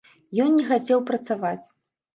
Ён не хацеў працаваць.